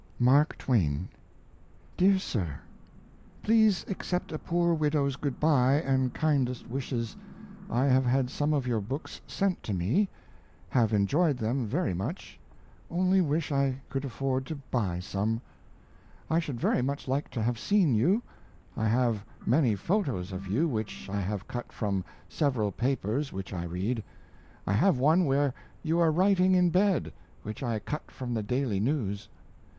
MARK TWAIN. DEAR SIR, Please accept a poor widow's good by and kindest wishes. I have had some of your books sent to me; have enjoyed them very much only wish I could afford to buy some. I should very much like to have seen you. I have many photos of you which I have cut from several papers which I read. I have one where you are writing in bed, which I cut from the Daily News.